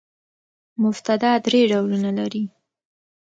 مبتداء درې ډولونه لري.